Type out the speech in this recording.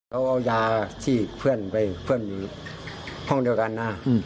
เขาเอายาที่เพื่อนไปเพื่อนอยู่ห้องเดียวกันนะ